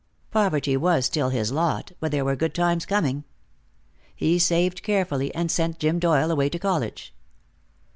Poverty was still his lot, but there were good times coming. He saved carefully, and sent Jim Doyle away to college.